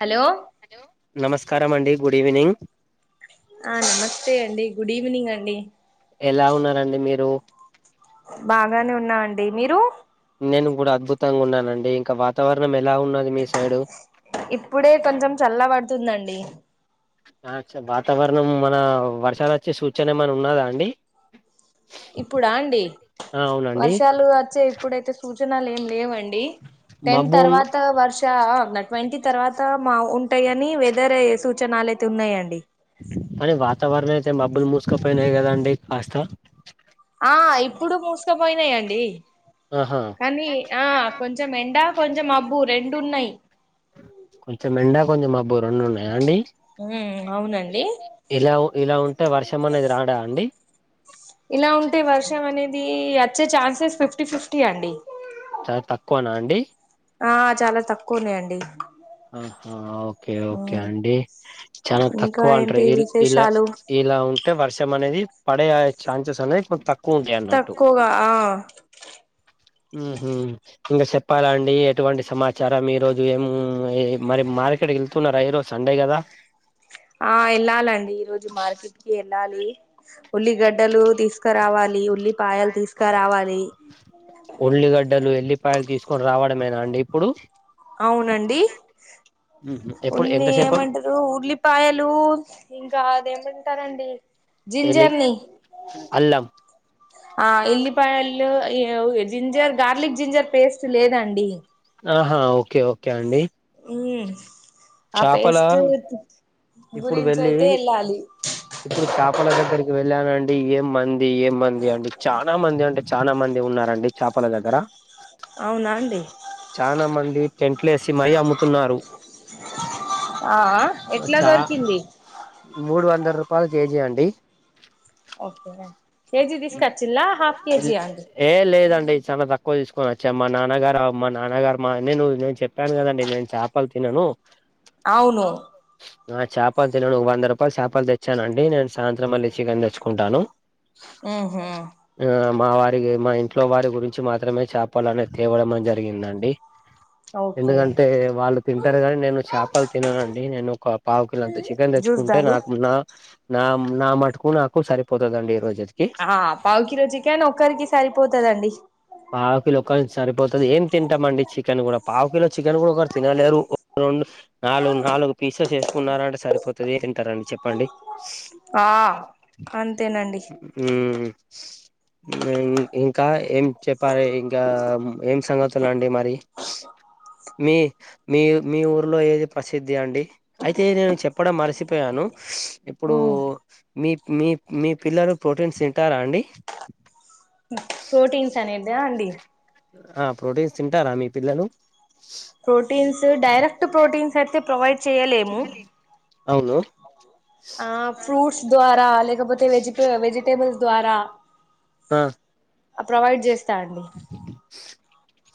Hello hello నమస్కారం అండి good evening ఆ నమస్తే అండి గుడీవ్నీంగ్ అండి ఎలా ఉన్నారండి మీరు బాగానే ఉన్నా అండి మీరు నేను గూడా అద్భుతంగా ఉన్నానండి ఇంకా వాతావరణం ఎ ఇప్పుడే కొంచెం చల్ల బడుతుందండి ఆ చ వాతావరణం మన వర్షాలొచ్చె సూచన ఏమైన ఉన్నాదా అండి ఇప్పుడా అండి ఆ అవునండి వర్షాలు అచ్చే ఇప్పుడైతే సూచనలు ఏం లేవండి టెన్ మబ్బు ఉన్ తర్వాత వర్షా ఆ ట్వంటీ తర్వాత మా ఉంటాయ్ గని వెదరయ్యె సూచనలైతే అయితే ఉన్నాయండి కని వాతావరణ అయితే మబ్బులు మూసుకపోయినాయి గదా అండి కాస్త ఆ ఇప్పుడు మూసుకపోయినాయండి ఆహా కానీ ఆ కొంచెం ఎండ కొంచెం మబ్బు రెండున్నాయి కొంచెం ఎండా కొంచెం మబ్బు రొండు ఉన్నాయా అండి ఉమ్ అవునండి ఇలా ఇలా ఉంటే వర్షం అనేది రాడా అండి ఇలా ఉంటే వర్షం అనేది అచ్చే ఛాన్సెస్ ఫిఫ్టీ ఫిఫ్టీ అండి చాలా తక్కువనా అండి ఆ చాలా తక్కువున్నాయండి ఆహా ఓకే ఓకే అండి చాలా ఇంకా తక్కువ అంట్రు ఏంటి ఇల్ ఇలా విశేషాలు ఈ ఇలా ఉంటే వర్షం అనేది పడే ఛాన్సెస్ అనే తక్కువ ఉంటాయి అన్నట్టు తక్కువగా ఆ ఊహు ఇంగా చెప్పాలండి ఎటువంటి సమాచారం ఈ రోజు ఏం మరి మ మార్కెట్ కి ఎళ్తున్నారా ఈరో సండే గదా ఆ ఎళ్ళాలండి ఈ రోజు మార్కెట్కి డాలి ఉల్లిగడ్డలు తీసకరావాలి ఉళ్ళిగడ్డలు ఎళ్ళి ఫైల్ తీసుకొని రావడమేనా అండి ఇప్పుడు అవునండి ఉహు ఎప్పుడు ఉల్లి ఎంతసేపు ఏమంటారు ఉల్లిపాయలు ఇంక అదేంటంటారండి ఎలి అల్లం ఆ ఎలిపాయలు అ జింజర్ గార్లిక్ జింజర్ పేస్ట్ లేదండి ఆహా ఓకే ఓకే అండి హ ఆ చేపల పేస్ట్ ఇప్పుడు గురించి వెళ్ళి అయితే వెళ్ళాలి ఇప్పుడు చేపల దగ్గరికి వెళ్ళానం ఏం మంది ఏ మంది అండి చాలా మంది అంటే చాలా మంది ఉన్నారండి చాపల దగ్గర అవునా అండి టెంట్లేసి మరీ అమ్ముతున్నారు ఆ ఆ చా మూడు వందల రూపాయలు కేజీ అండి ఓకే కేజీ తీసుకొచ్చిల్లా హాఫ్ కేజీ అండి ఏ లేదండి చాలా తక్కువ కొన వచ్చా మా నాన్నగారు మా నాన్నగారు మా నేను నేను చెప్పాను కదండి నేను చేపలు తినను అవును అవును అ చేపలు తినను వంద రూపాయలు చేపలు తెచ్చానండి నేను సాయంత్రం మళ్ళీ చికెన్ తెచ్చుకుంటాను ఆ హా ఆ మా వారి మా ఇంట్లో వారి గురించి మాత్రమే చేపాలనేది తేవడంమ జరిగిందండి ఓకే ఎందుకంటే వాళ్ళు తింటారు కానీ నేను చేపలు తిననుండి నేను ఒక పావు కిలో అంత చికెన్ జ్యూస్ తెచ్చుకుంటా దాలు నాకు నా నా నా మటుకు నాకు సరిపోతుందండి ఈ రోజు ఆ పావకిలో చికెన్ ఒక్కరికి సరిపోతుదండి పావు కిలో సరిపోతుంది ఏం తింటామండి చికెన్ కూడా పావు కిలో చికెన్ కూడా ఒక తినలేరు రెండు నాలుగు నాలుగు పీసస్ వేసుకున్నారంటే సరిపోతుంది తరండీ చెప్పండి ఆ అ అంతేనండి హ్మ్ ఇంకా ఏం చెప్పాలి ఇంకా ఏం సంగతులండి మరి మీ మీ మీ ఊర్లో ఏది ప్రసిద్ధి అండి అయితే నేను చెప్పడం మరిసిపోయాను ఇప్పుడు మీ మీ మీ పిల్లలు ప్రోటీన్స్ తింటారా అండి ప్రోటీన్స్ అనేదా అండి ఆ ప్రోటీన్స్ తింటారా మీ పిల్లలు ప్రోటీన్స్ డైరెక్ట్ ప్రోటీన్స్ అయితే ప్రొవైడ్ చేయలేము అవును ఆ ఫ్రూట్స్ ద్వారా లేకపోతే వెజిట వెజిటేబుల్స్ ద్వారా ఆ ప్రొవైడ్ చేస్తా అండి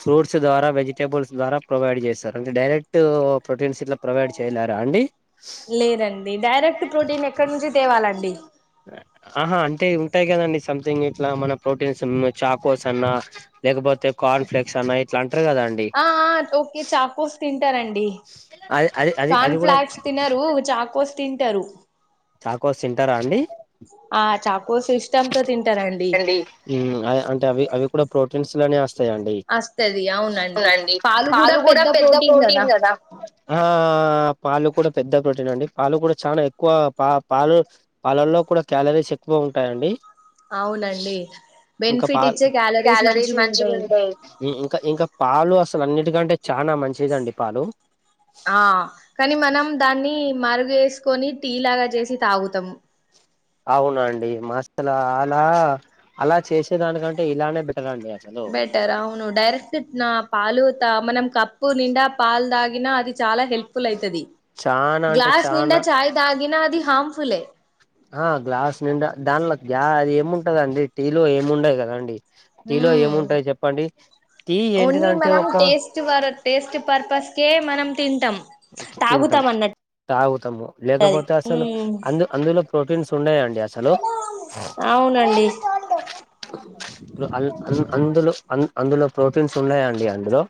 ఫ చదరా వెజిటేబుల్స్ ద్వారా ప్రొవైడ్ చేస్తారు అంటే డైరెక్ట్ ప్రోటీన్స్ ఇట్లా ప్రొవైడ్ చేయలేరా అండి లేదండి డైరెక్ట్ ప్రోటీన్ ఎక్కడ నుంచి తేవాలండి ఆహా అంటే ఉంటాయి కదండి సంథింగ్ ఇట్లా మన ప్రోటీన్స్ చాకోస్ అన్నా లేకపోతే కార్న్ ఫ్లెక్స్ అన్నా ఇట్లా అంటారు కదా అండి ఆ అ ఓకే చాకొస్ తింటారండి అది అది అది అది కార్న్ కూడా ఫ్లాక్స్ తినరు చాకోస్ తింటారు చాకొస్ తింటారా అండి ఆ చాకోస్ ఇష్టంతో తింటారండి అంటే అవి అవి కూడా ప్రోటీన్స్ లోనే అండి అవునండి పాలు కూడా పెద్ద ప్రోటీన్ కదా ఆ పాలు కూడా పెద్ద ప్రోటీన్ అండి పాలు కూడా చాలా ఎక్కువ. పా పాలు పాలల్లో కూడా క్యాలరీస్ ఎక్కువ ఉంటాయండి. అవునండి ఇంకా పా బెనిఫిట్ ఇచ్చే క్యాలరీస్ క్యాలరీ మంచిగా ఉంటాయి ఇంకా ఇంకా పాలు అసలు అన్నిటికంటే చాలా మంచిదండి పాలు ఆ కానీ మనం దాన్ని మార్గ చేసుకొని టీ లాగా చేసి తాగుతాము. అవునండి మాసలు అలా అలా చేసేదానికంటే ఇలానే బి బెటర్ అవును డైరక్ట్ నా పాలు మనం కప్పు నిండా పాలు తాగిన అది చాలా హెల్ప్ఫుల్ అవుతుది చానా అంటే గ్లాస్ నిండా చానా చాయ్ దాగిన అది హార్మ్ఫుల్ ఎ ఆ గ్లాస్ నిండా దాంట్లో గ్యా ఏముంటదండి టీలు ఏమిండదు కదండి. టీలో హ్మ్ ఏముంటాయి చెప్పండి. టీ ఓన్లీ ఏంటిదంటే మనం ఒక టేస్ట్ వ టేస్ట్ పర్పస్కే మనం తింటాం. తింటాం తాగుతాం అన్నట్టు తాగుతాము అది లేకపోతే అసలు ఉమ్ అందు అందులో ప్రోటీన్స్. ఉండయండి అసలు అవునండి అందులో అందులో ప్రోటీన్స్ ఉన్నాయండి అందులో.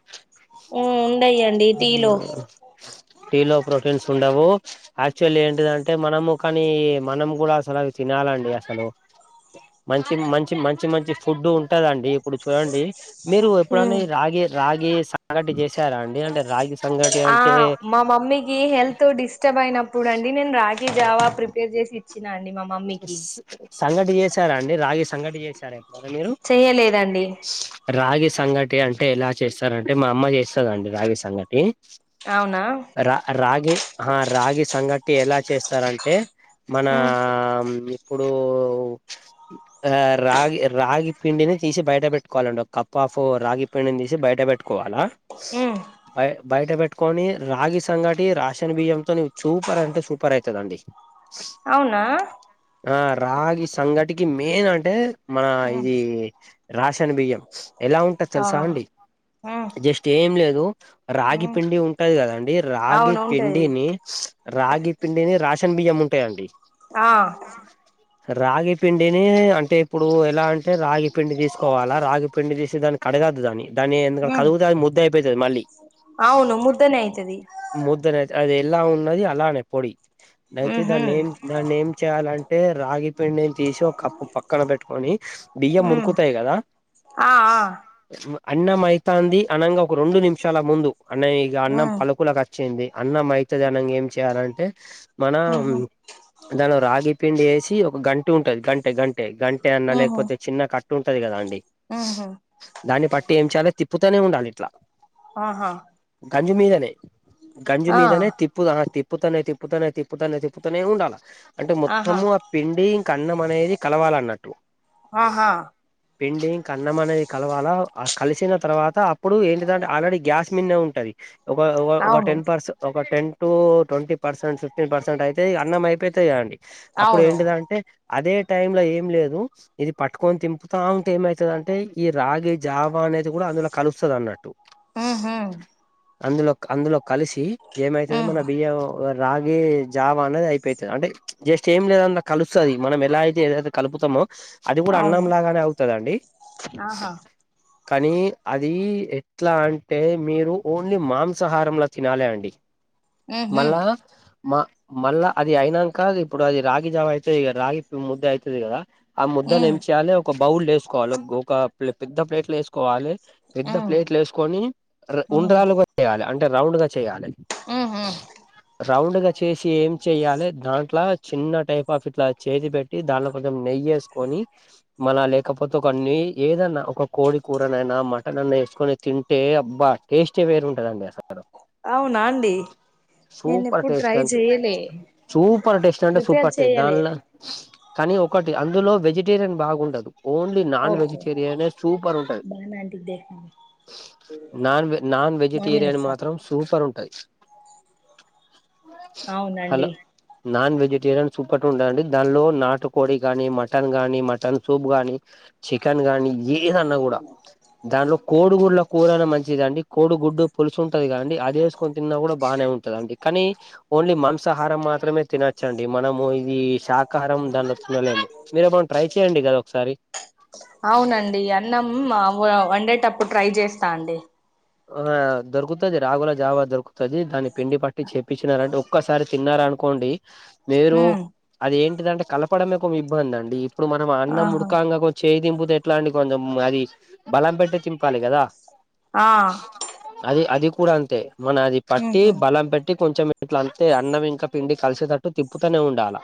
ఆ ఉండయండి టీలో టీ లో ప్రోటీన్స్ ఉండవు యాక్చువల్ ఏంటిదంటే మనము కానీ మనం కూడా అసలు తిన [inaudible] అసలు మంచి మంచి మంచి మంచి ఫుడ్ ఉ ఇప్పుడు చూడండి మీరు ఉమ్ ఎప్పుడన్నా రాగి రాగి సంగటి చేసారాండి. ఆ మా మమ్మీకి హెల్త్ డిస్టర్బ్ అయినప్పుడు అండి నేను రా జావా ప్రిపేర్ చేసి ఇచ్చినా అండి మా మమ్మీకి సంగతి చేశారండి రాగి సంగటి చేశార ఎప్పు చెయ్యలేదండి రాగి సంగటి అంటే ఎలా చేస్తారంటే మా అమ్మ చేస్తదండి రాగి సంగటి. అవునా రా రాగి ఆ రాగి సంగటి ఎలా చేస్తారంటే. మన ఉమ్ ఇప్పుడు ఆ రాగి రాగి పిండిని తీసి బయట పెట్టుకోవాలండి ఒక కప్ ఆఫ్ రాగి పిండిని తీసి బయట పెట్టుకోవాలా. ఆ బయ బయట పెట్టుకొని రాగి సంగటి రాషన్ బియ్యంతో సూపర్ అంటే సూపర్ అవుతుందిండి. అవునా ఆ రాగి సంగటికి మెయిన్ అంటే మన ఉమ్ ఇది రాసన్ బియ్యం. ఎలా ఉంటది ఆ తెలుసా అండి ఉమ్ జస్ట్ ఏం లేదు రాగి ఉమ్ పిండి ఉంటది కదాండి రాగి అవును ఉంటది పిండిని రాగి పిండిని రాషన్ బియ్యం ఉంటాయండి. ఆ రాగి పిండిని అంటే ఇప్పుడు ఎలా అంటే రాగి పిండి తీసుకోవాలా రాగి పిండి తీసే దాని. కడగాదు దాని దాన్ని ఎందు ఉమ్ కడిగతే అది ముద్ద అయిపోతుంది మళ్ళీ అవును ముద్దనే అయితది ముద్ద అనే అది ఎలా ఉన్నది అలానే పొడి అయితే దా ఉహు నేమ్ దా నేమ్ లంటే రాగి పిండిని తీసి ఒక కప్పు పక్కన పెట్టుకొని బియ్యం ఉమ్ ఉడుకుతాయి కదా ఆ ఆ అన్నం అయితుంది అనంగా ఒక రెండు నిమిషాల ముందు అన్న ఇ అన్నం ఉమ్ పలుకుల అన్నం అయితది అనంగ ఏం చేయాలంటే మన ఉహు దాలో రాగి పిండి వేసి ఒక గంటే ఉంటుంది గంటే గంటే గంటే అన్నా లేకపోతే చిన్న కట్టు ఉంటుంది కదా అండి. ఆహా దాన్ని పట్టి ఏం చేయాలో తిప్పుతూనే ఉండాలి ఇట్లా ఆహా గంజి మీదనే గంజి ఆ మీదనే తిప్పు ఆ తి ప్పుతానే తిప్పుతానే తిప్పుతానే తిప్పుతూనే ఉండాల అంటే ఆహా మొత్తము ఆ పిండి కన్నం అనేది కలవాలన్నట్టు ఆహా పిండి ఇంక అన్నం అనేది కలవాలా ఆ కలిసిన తర్వాత అప్పుడు ఏంటిదంటే ఆల్రెడీ గ్యాస్ మిన్నే ఉంటది ఒక ఒక అవును టెన్ పర్స ఒక ten to twenty percent fifteen percent అయితే అన్నం అయిపొ తాది కదండి అప్పుడు అవును ఏంటిదంటే అదే టైం లో ఏం లేదు ఇది పట్టుకొని తింపుతా ఉంటే ఏమైతాది అంటే ఈ రాగి జావా అనేది కూడా అందులో కలుస్తాది అన్నట్టు ఉహు అందులో అందులో కలిసి ఏమైతాది ఉమ్ మన బియ్యం రాగి జావ అనేది అయిపో తాది అంటే జస్ట్ ఏం లేదన్న కలుస్తది మనం ఎలా అయితే ఏదైతే కలుపుతామో అది కూడా అన్నం అవును లాగానే అవు తాదండి ఆహా కానీ అది ఎట్లా అంటే మీరు ఓన్లీ మాంసాహారంలా తినాలి అండి ఉహు మళ్ళా మ మళ్ళ అది అయినాంక ఇప్పుడు అది రాగి జావా అయితది రాగి ముద్ద అయితది కదా ఆ ముద్దను ఉమ్ ఏం చేయాలి ఒక బౌల్ ఏసుకోవాలి ఒ ఒక పెద్ద ప్లేట్లు ఏసుకోవాలే పెద్ద ఉమ్ ప్లేట్లు ఏసుకొని ఉహు ఉండ్రాలుగా చేయాలి అంటే రౌండ్గా చేయాలి ఉహు రౌండ్గా చేసి ఏం చెయ్యాలే దాంట్లో చిన్న టైప్ ఆఫ్ ఇట్లా చేతి పెట్టి దాంట్లో కొంచం నెయ్యేసుకొని మళ లేకపోతే ఒక అన్ని ఏదన్నా ఒక కోడి కూరనైనా మటన్ అన్నా ఎసుకొని తింటే అబ్బా టేస్టే వేరు ఉంటదండి అసలు అవునాండి నేను సూపర్ ఎప్పుడు ట్రై టేస్ట్ అంటే చెయ్యలే సూపర్ టేస్ట్ అంటే ప్రిపేర్ సూపర్ టేస్ట్ చెయ్యలే దానిలో కానీ ఒకటి అందులో వెజిటేరియన్ బాగుండదు ఓన్లీ నన్ ఓకే వెజిటేరియనే సూపర్ ఉంటది బానా ఆంటీకి దేఖండి నాన్వే నాన్ మామీని వెజిటేరియన్ ఒకసారి మాత్రం సూపర్ ఉంట అవునండి హలో నాన్ వెజిటేరియన్ సుపటి ఉంటదండి దానిలో నాటు కోడి గానీ మటన్ గానీ మటన్ సూప్ గానీ చికెన్ గానీ ఏదన్నా కూడా దానిలో కోడుగుడ్ల కూరయినా మంచిదండి కోడు గుడ్డు పులుసు ఉంటది కదండి అది ఏసుకొని తిన్నా కూడా బానే ఉంటదండి కానీ ఓన్లీ మాంసాహారం మాత్రమే తినొచ్చండి మనము ఇది శాకహారం దానిలో తినలేము మీరేమనా ట్రై చెయండి గది ఒకసారి అవునండి అన్నం వ వండేటప్పుడు ట్రై చేస్తా అండి ఆ దొరుకుతాది రాగుల జావా దొరుకుతాది దాని పిండి ప ట్టి చెప్పినరాంటే ఒక్కసారి తిన్నారనుకోండి మీరు ఉమ్ అది ఏం టిదంటే కలపడమే ఒక ఇబ్బంది అండి ఇప్పుడు మనం అన్నం ఆహా ఉడుకాంగా చేయి దింపు తే ఎట్లండి కొంచెం అది బలం పెట్టి చింపాలి కదా ఆ అది అది కూడా అంతే మన అది పట్టి ఉహు బలం పె ట్టి కొంచెం ఇట్ల అంతే అన్నం ఇంకా పిండి కలిసేటట్టు తిప్పుతూనే ఉండాల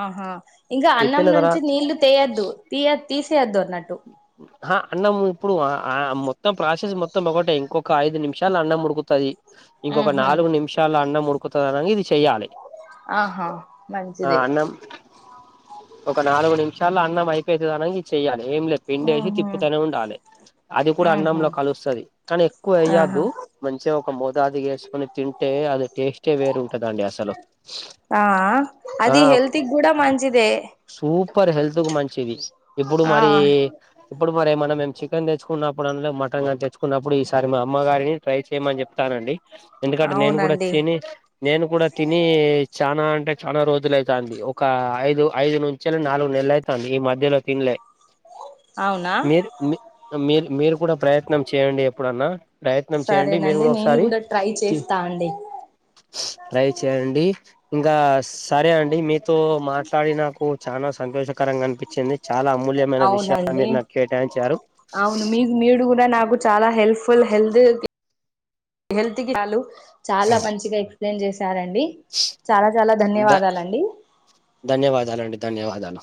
ఆహా ఇంకా అన్నం తిప్పిన నుంచి తర్వాత నీళ్లు తెయొద్దు తీయ తీసేయద్దు అన్నట్టు ఆహ అన్నం ఇప్పుడు అ ఆ మొత్తం ప్రాసెస్ మొత్తం ఒకటే ఇంకొ క్క ఐదు నిమిషాలు అన్నం ఉడుకుతది ఇంకొక ఉహు నాలుగు నిమిషాల్ల అన్నం ఉడుకుతది అనంగ ఇది చెయ్యాలే ఆహా మంచిదే ఒక నాలుగు నిమిషాల్ల అన్నం అయిపోయితదనంగా ఇది చేయ్యాలి ఏం లేదు పిండి వేసి ఉహు తిప్పుతనే ఉండాలి అది కూడా ఉహు అన్నంలో కలుస్తది కానీ ఎక్కువ ఆహా వేయద్దు మంచిగా ఒక మోతదుగ వేసుకొని తింటే అది టేస్టే వేరు ఉంటదండి అసలు ఆ ఆ అది హల్త్ిక్ కూడా మంచిదే సూపర్ హెల్త్ కు మంచిది ఇప్పుడు ఆ మరి అప్పుడు మరే మొన్న చికెన్ తెచ్చుకున్నప్పుడు అండ్లే మటన్ కానీ తెచ్చుకున్నప్పుడు ఈసారి మా అమ్మగారిని ట్రై చేయమని చెప్తానండి ఎందుకంటే నేను కూడా అవునండి తిని నేను కూడా తిని చనా అం టే చాలా రోజులైతంది ఒక ఐదు ఐదు నుంచిే నాలుగు నెలలు అయితంది ఈ మధ్యల తిన్లే అవునా మీరు మీ మీరు మీరు కూడా ప్రయత్నం చేయండి ఎప్పుడన్నా ప్రయత్నం చేయండి మీరు సరేనండి కూడా నేను ఒకసారి ట్రై చేస్తా అండి ట్రై చేయండి ఇంకా సరే అండి మీతో మాట్లాడి నాకు చాలా సంతోషకరంగా అనిపించింది చాలా అమూల్యమైన విషయాలు అవునండి మీరు నాకు కేటాయించారు అవును మీ మీడు కూడా నాకు చాలా హెల్ప్ ఫుల్ హెల్త్ హెల్త్ కి చ్ చాలా మంచిగా ఎక్స్ప్లెయిన్ చేస్ సరండి చాలా చాలా ధ ధన్యవాదాలండి ధన్యవాదాలండి ధన్యవాదాలు